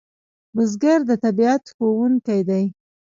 بزګر د طبیعت ښوونکی دی